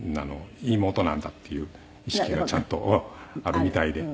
妹なんだっていう意識がちゃんとあるみたいで。